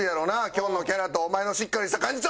きょんのキャラとお前のしっかりした感じと！